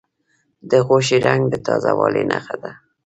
د غوښې رنګ د تازه والي نښه ده.